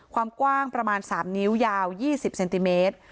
ความกว้างประมาณ๓นิ้วยาว๒๐เซนติเมตร